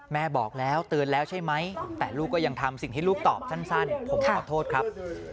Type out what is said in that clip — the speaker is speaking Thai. แม่บอกแล้วเตือนแล้วใช่ไหมแต่ลูกก็ยังทำสิ่งที่ลูกตอบสั้นผมขอโทษครับ